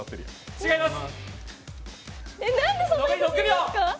違います。